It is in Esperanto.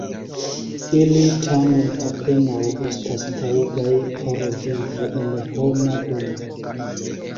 Ili, tamen, apenaŭ estas taŭgaj por vivo en homa domo.